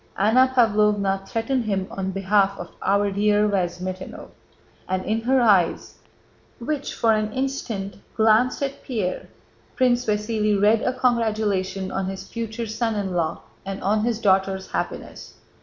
Anna Pávlovna threatened him on behalf of "our dear Vyazmítinov," and in her eyes, which, for an instant, glanced at Pierre, Prince Vasíli read a congratulation on his future son in law and on his daughter's happiness.